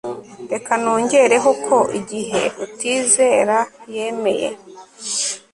reka nongereho ko igihe utizera yemeye